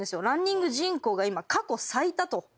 ランニング人口が今過去最多と。